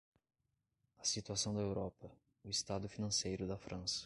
A situação da Europa - O estado financeiro da França